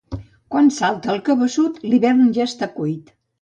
Quan salta el cabeçut, l'hivern ja està cuit.